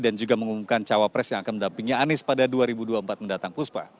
dan juga mengumumkan cawapres yang akan mendapingnya anies pada dua ribu dua puluh empat mendatang puspa